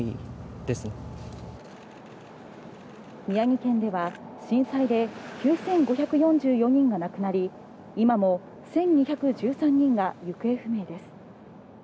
宮城県では震災で９５４４人が亡くなり、今も１２１３人が行方不明です。